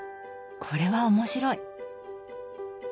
これは面白い！